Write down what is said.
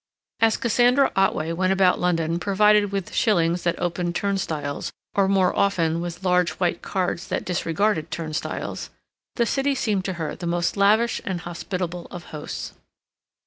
As Cassandra Otway went about London provided with shillings that opened turnstiles, or more often with large white cards that disregarded turnstiles, the city seemed to her the most lavish and hospitable of hosts.